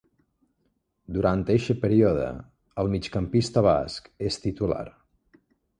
Durant eixe període, el migcampista basc és titular.